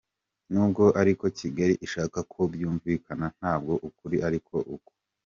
Nubwo ari ko Kigali ishaka ko byumvikana ntabwo ukuri ari uko.